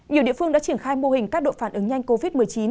nhiều địa phương đã triển khai mô hình các đội phản ứng nhanh covid một mươi chín